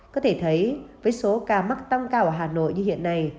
có thể thấy với số ca mắc tăng cao ở hà nội như hiện nay